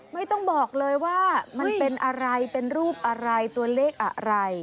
ไม่ต้องบอกเลยว่ามันเป็นอะไรเป็นรูปอะไรตัวเลขอะไร